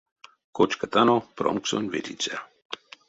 Кочкатано промксонь ветиця.